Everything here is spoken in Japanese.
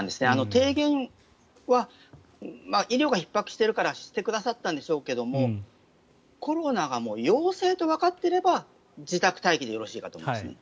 提言は医療がひっ迫しているからしてくださったんでしょうけどコロナがもう陽性とわかっていれば自宅待機でよろしいかと思いますね。